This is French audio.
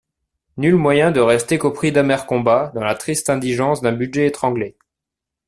Nul moyen de rester qu'au prix d'amers combats, dans la triste indigence d'un budget étranglé.